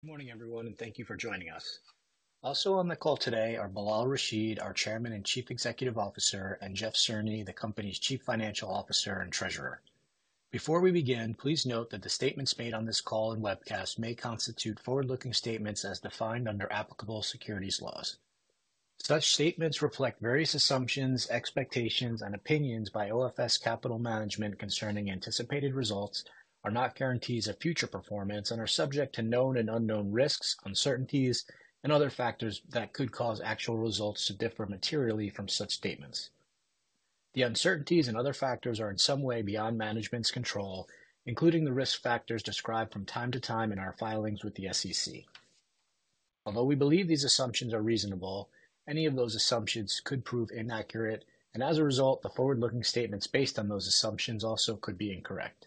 Good morning, everyone, and thank you for joining us. Also on the call today are Bilal Rashid, our Chairman and Chief Executive Officer, and Jeff Cerny, the company's Chief Financial Officer and Treasurer. Before we begin, please note that the statements made on this call and webcast may constitute forward-looking statements as defined under applicable securities laws. Such statements reflect various assumptions, expectations, and opinions by OFS Capital Management concerning anticipated results, are not guarantees of future performance, and are subject to known and unknown risks, uncertainties, and other factors that could cause actual results to differ materially from such statements. The uncertainties and other factors are in some way beyond management's control, including the risk factors described from time to time in our filings with the SEC. Although we believe these assumptions are reasonable, any of those assumptions could prove inaccurate, and as a result, the forward-looking statements based on those assumptions also could be incorrect.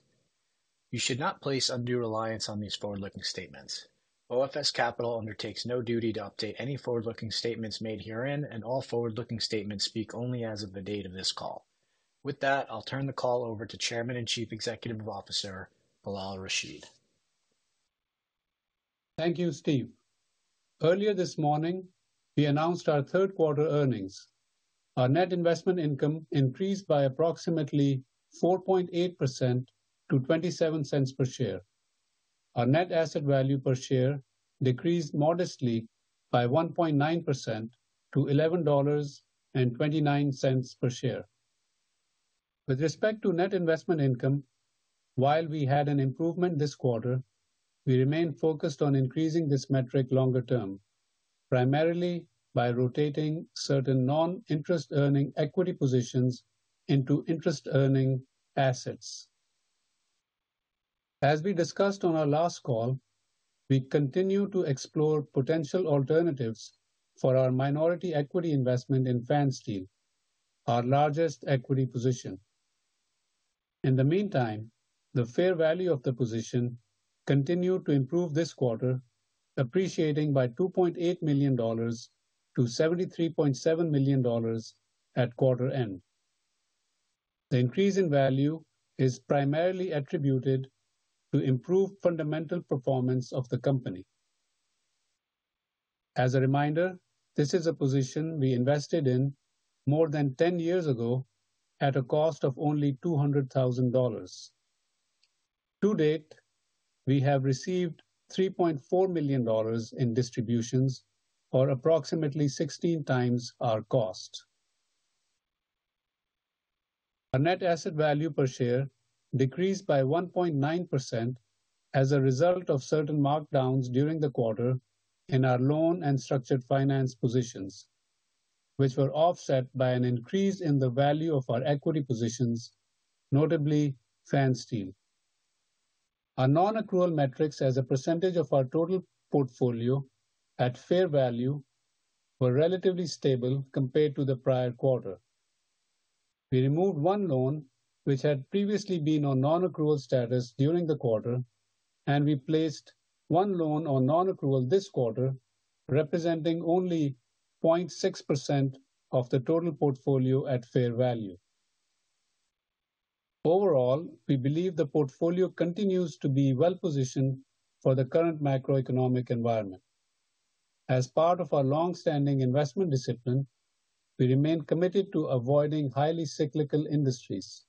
You should not place undue reliance on these forward-looking statements. OFS Capital undertakes no duty to update any forward-looking statements made herein, and all forward-looking statements speak only as of the date of this call. With that, I'll turn the call over to Chairman and Chief Executive Officer Bilal Rashid. Thank you, Steve. Earlier this morning, we announced our Q3 earnings. Our net investment income increased by approximately 4.8% to $0.27 per share. Our net asset value per share decreased modestly by 1.9% to $11.29 per share. With respect to net investment income, while we had an improvement this quarter, we remain focused on increasing this metric longer term, primarily by rotating certain non-interest-earning equity positions into interest-earning assets. As we discussed on our last call, we continue to explore potential alternatives for our minority equity investment in Fansteel, our largest equity position. In the meantime, the fair value of the position continued to improve this quarter, appreciating by $2.8 million to $73.7 million at quarter end. The increase in value is primarily attributed to improved fundamental performance of the company. As a reminder, this is a position we invested in more than 10 years ago at a cost of only $200,000. To date, we have received $3.4 million in distributions for approximately 16 times our cost. Our net asset value per share decreased by 1.9% as a result of certain markdowns during the quarter in our loan and structured finance positions, which were offset by an increase in the value of our equity positions, notably Fansteel. Our non-accrual metrics, as a percentage of our total portfolio at fair value, were relatively stable compared to the prior quarter. We removed one loan, which had previously been on non-accrual status during the quarter, and we placed one loan on non-accrual this quarter, representing only 0.6% of the total portfolio at fair value. Overall, we believe the portfolio continues to be well-positioned for the current macroeconomic environment. As part of our long-standing investment discipline, we remain committed to avoiding highly cyclical industries.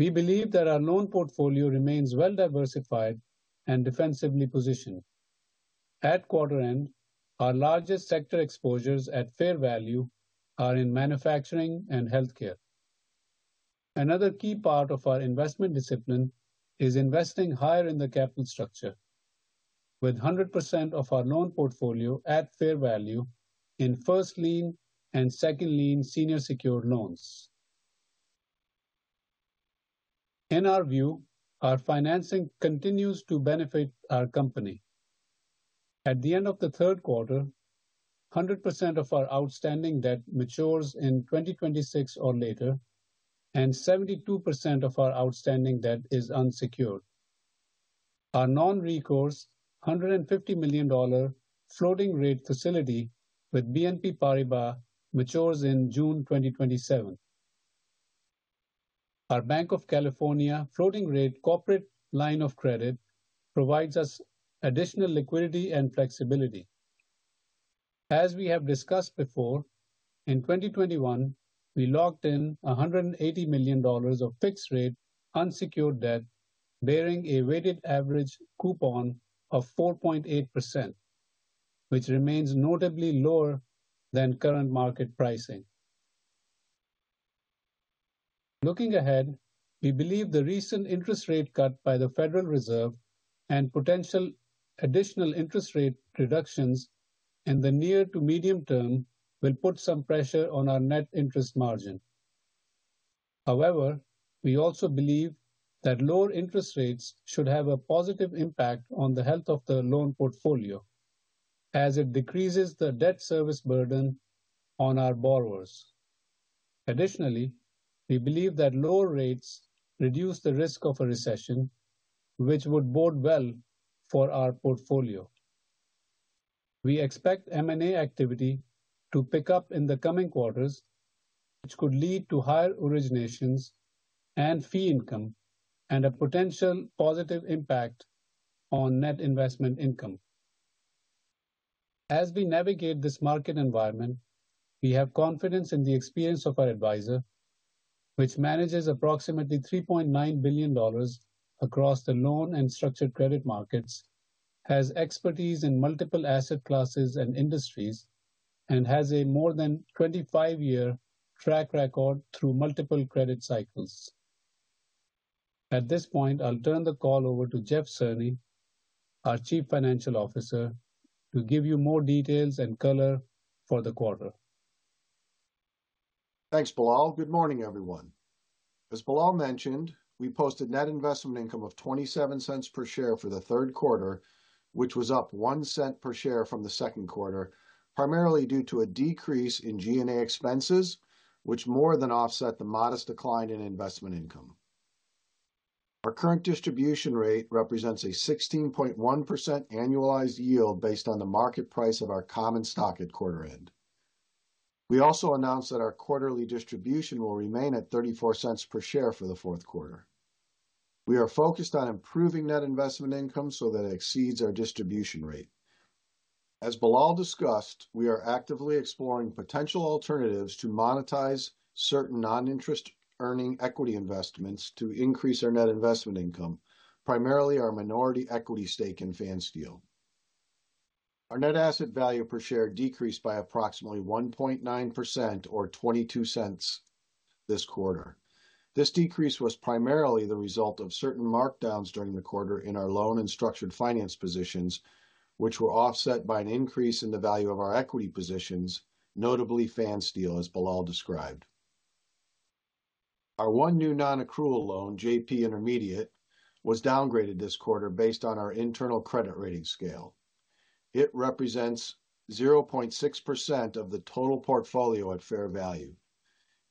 We believe that our loan portfolio remains well-diversified and defensively positioned. At quarter end, our largest sector exposures at fair value are in manufacturing and healthcare. Another key part of our investment discipline is investing higher in the capital structure, with 100% of our loan portfolio at fair value in first lien and second lien senior secured loans. In our view, our financing continues to benefit our company. At the end of the Q3, 100% of our outstanding debt matures in 2026 or later, and 72% of our outstanding debt is unsecured. Our non-recourse $150 million floating rate facility with BNP Paribas matures in June 2027. Our Banc of California floating rate corporate line of credit provides us additional liquidity and flexibility. As we have discussed before, in 2021, we locked in $180 million of fixed-rate unsecured debt bearing a weighted average coupon of 4.8%, which remains notably lower than current market pricing. Looking ahead, we believe the recent interest rate cut by the Federal Reserve and potential additional interest rate reductions in the near to medium term will put some pressure on our net interest margin. However, we also believe that lower interest rates should have a positive impact on the health of the loan portfolio, as it decreases the debt service burden on our borrowers. Additionally, we believe that lower rates reduce the risk of a recession, which would bode well for our portfolio. We expect M&A activity to pick up in the coming quarters, which could lead to higher originations and fee income and a potential positive impact on net investment income. As we navigate this market environment, we have confidence in the experience of our advisor, which manages approximately $3.9 billion across the loan and structured credit markets, has expertise in multiple asset classes and industries, and has a more than 25-year track record through multiple credit cycles. At this point, I'll turn the call over to Jeff Cerny, our Chief Financial Officer, to give you more details and color for the quarter. Thanks, Bilal. Good morning, everyone. As Bilal mentioned, we posted net investment income of $0.27 per share for the Q3, which was up $0.01 per share from the Q2, primarily due to a decrease in G&A expenses, which more than offset the modest decline in investment income. Our current distribution rate represents a 16.1% annualized yield based on the market price of our common stock at quarter end. We also announced that our quarterly distribution will remain at $0.34 per share for the Q4. We are focused on improving net investment income so that it exceeds our distribution rate. As Bilal discussed, we are actively exploring potential alternatives to monetize certain non-interest-earning equity investments to increase our net investment income, primarily our minority equity stake in Fansteel. Our net asset value per share decreased by approximately 1.9% or $0.22 this quarter. This decrease was primarily the result of certain markdowns during the quarter in our loan and structured finance positions, which were offset by an increase in the value of our equity positions, notably Fansteel, as Bilal described. Our one new non-accrual loan, J.P. Intermediate, was downgraded this quarter based on our internal credit rating scale. It represents 0.6% of the total portfolio at fair value.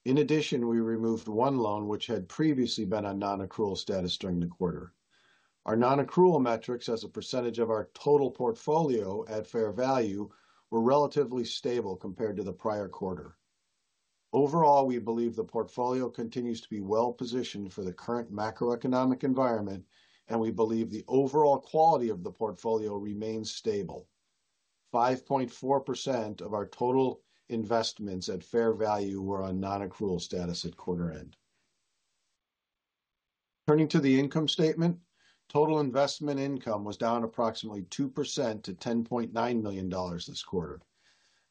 In addition, we removed one loan which had previously been on non-accrual status during the quarter. Our non-accrual metrics, as a percentage of our total portfolio at fair value, were relatively stable compared to the prior quarter. Overall, we believe the portfolio continues to be well-positioned for the current macroeconomic environment, and we believe the overall quality of the portfolio remains stable. 5.4% of our total investments at fair value were on non-accrual status at quarter end. Turning to the income statement, total investment income was down approximately 2% to $10.9 million this quarter.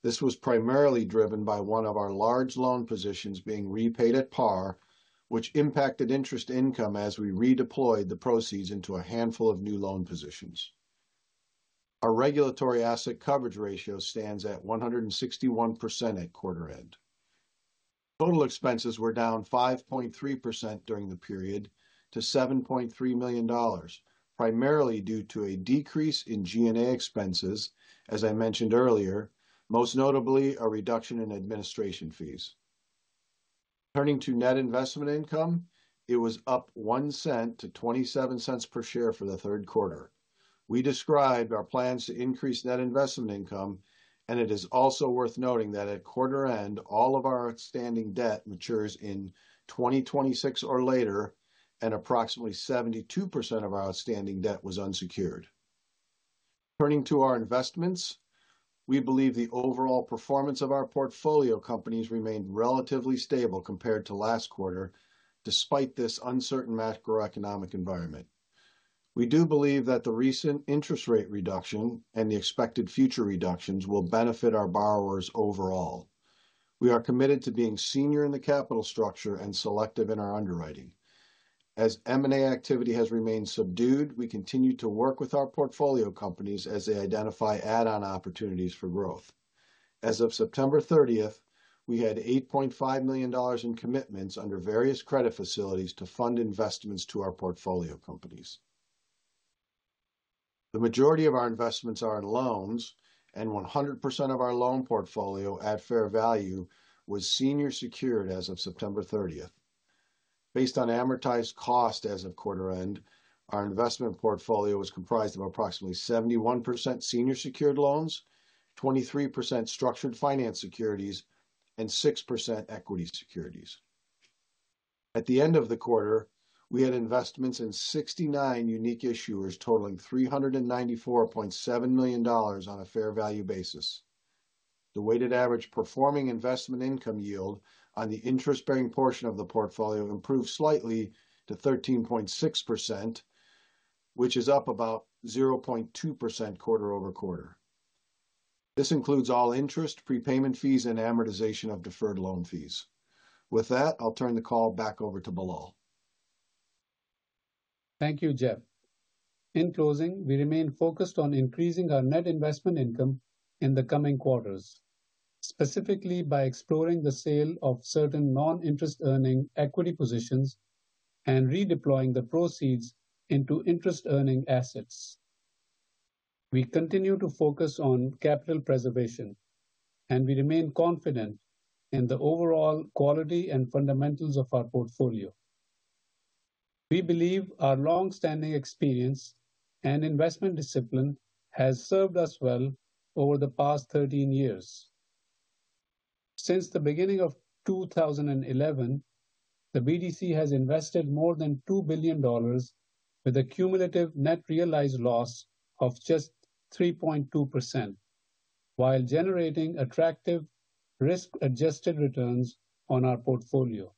This was primarily driven by one of our large loan positions being repaid at par, which impacted interest income as we redeployed the proceeds into a handful of new loan positions. Our regulatory asset coverage ratio stands at 161% at quarter end. Total expenses were down 5.3% during the period to $7.3 million, primarily due to a decrease in G&A expenses, as I mentioned earlier, most notably a reduction in administration fees. Turning to net investment income, it was up $0.01 to $0.27 per share for the Q3. We described our plans to increase net investment income, and it is also worth noting that at quarter end, all of our outstanding debt matures in 2026 or later, and approximately 72% of our outstanding debt was unsecured. Turning to our investments, we believe the overall performance of our portfolio companies remained relatively stable compared to last quarter, despite this uncertain macroeconomic environment. We do believe that the recent interest rate reduction and the expected future reductions will benefit our borrowers overall. We are committed to being senior in the capital structure and selective in our underwriting. As M&A activity has remained subdued, we continue to work with our portfolio companies as they identify add-on opportunities for growth. As of September 30th, we had $8.5 million in commitments under various credit facilities to fund investments to our portfolio companies. The majority of our investments are in loans, and 100% of our loan portfolio at fair value was senior secured as of September 30th. Based on amortized cost as of quarter end, our investment portfolio was comprised of approximately 71% senior secured loans, 23% structured finance securities, and 6% equity securities. At the end of the quarter, we had investments in 69 unique issuers totaling $394.7 million on a fair value basis. The weighted average performing investment income yield on the interest-bearing portion of the portfolio improved slightly to 13.6%, which is up about 0.2% quarter over quarter. This includes all interest, prepayment fees, and amortization of deferred loan fees. With that, I'll turn the call back over to Bilal. Thank you, Jeff. In closing, we remain focused on increasing our net investment income in the coming quarters, specifically by exploring the sale of certain non-interest-earning equity positions and redeploying the proceeds into interest-earning assets. We continue to focus on capital preservation, and we remain confident in the overall quality and fundamentals of our portfolio. We believe our long-standing experience and investment discipline has served us well over the past 13 years. Since the beginning of 2011, the BDC has invested more than $2 billion, with a cumulative net realized loss of just 3.2%, while generating attractive risk-adjusted returns on our portfolio.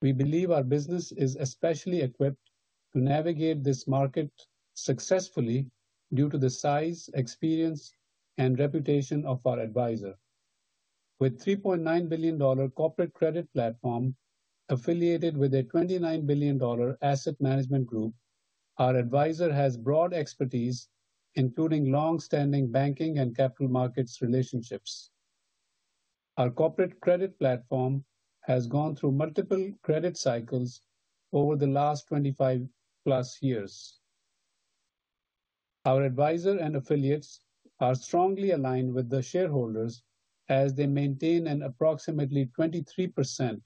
We believe our business is especially equipped to navigate this market successfully due to the size, experience, and reputation of our advisor. With a $3.9 billion corporate credit platform affiliated with a $29 billion asset management group, our advisor has broad expertise, including long-standing banking and capital markets relationships. Our corporate credit platform has gone through multiple credit cycles over the last 25-plus years. Our advisor and affiliates are strongly aligned with the shareholders as they maintain an approximately 23%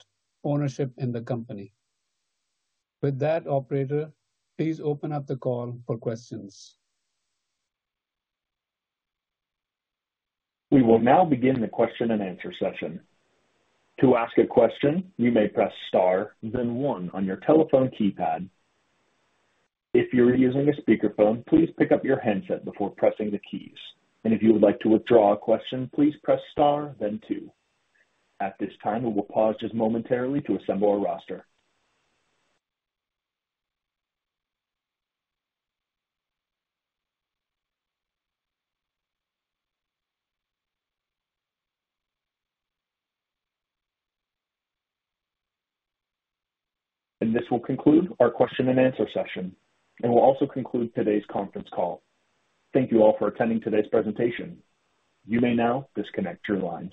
ownership in the company. With that, operator, please open up the call for questions. We will now begin the question and answer session. To ask a question, you may press star, then one on your telephone keypad. If you're using a speakerphone, please pick up your handset before pressing the keys. And if you would like to withdraw a question, please press star, then two. At this time, we will pause just momentarily to assemble our roster. And this will conclude our question and answer session. It will also conclude today's conference call. Thank you all for attending today's presentation. You may now disconnect your lines.